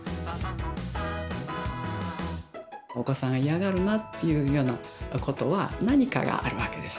お子さん嫌がるなっていうようなことは何かがあるわけです。